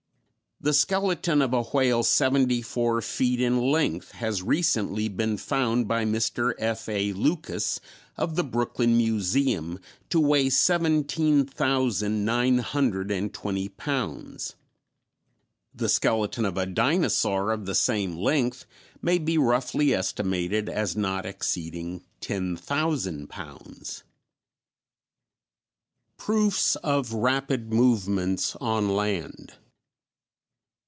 The skeleton of a whale seventy four feet in length has recently been found by Mr. F.A. Lucas of the Brooklyn Museum to weigh seventeen thousand nine hundred and twenty pounds. The skeleton of a dinosaur of the same length may be roughly estimated as not exceeding ten thousand pounds. _Proofs of Rapid Movements on Land.